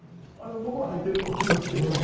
僕は入ってると思います。